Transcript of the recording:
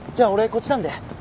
こっちなんで。